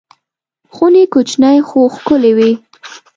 خونې کوچنۍ خو ښکلې وې.